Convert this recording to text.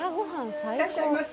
いらっしゃいませ。